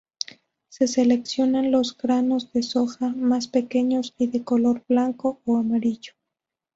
Se seleccionan los granos de soja más pequeños y de color blanco o amarillo.